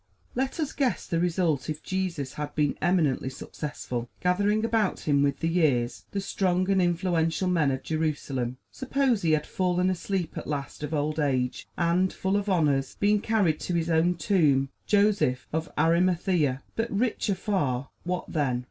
Let us guess the result if Jesus had been eminently successful, gathering about him, with the years, the strong and influential men of Jerusalem! Suppose he had fallen asleep at last of old age, and, full of honors, been carried to his own tomb, patterned after that of Joseph of Arimathea, but richer far what then?